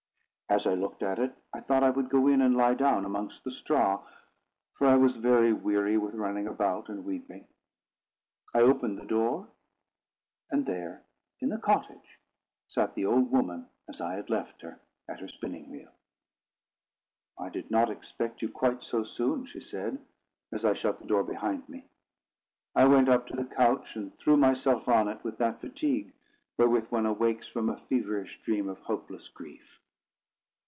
As I looked at it, I thought I would go in and lie down amongst the straw, for I was very weary with running about and weeping. I opened the door; and there in the cottage sat the old woman as I had left her, at her spinning wheel. "I did not expect you quite so soon," she said, as I shut the door behind me. I went up to the couch, and threw myself on it with that fatigue wherewith one awakes from a feverish dream of hopeless grief.